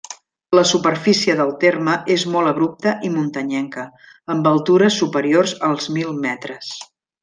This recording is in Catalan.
La superfície del terme és molt abrupta i muntanyenca, amb altures superiors als mil metres.